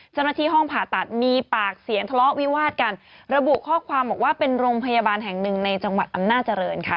เจ้าหน้าที่ห้องผ่าตัดมีปากเสียงทะเลาะวิวาดกันระบุข้อความบอกว่าเป็นโรงพยาบาลแห่งหนึ่งในจังหวัดอำนาจริงค่ะ